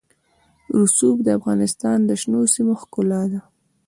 رسوب د افغانستان د شنو سیمو ښکلا ده.